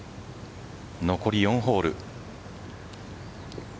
残り４ホール。